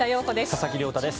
佐々木亮太です。